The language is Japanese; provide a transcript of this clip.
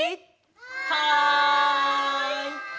はい！